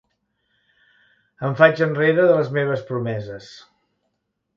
Em faig enrere de les meves promeses.